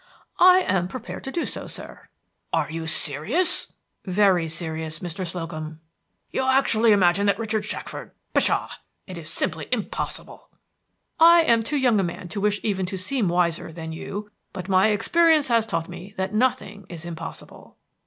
"I am prepared to do so, sir." "Are you serious?" "Very serious, Mr. Slocum." "You actually imagine that Richard Shackford Pshaw! It's simply impossible!" "I am too young a man to wish even to seem wiser than you, but my experience has taught me that nothing is impossible."